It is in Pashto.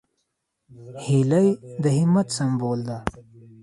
هیلۍ د همت سمبول ده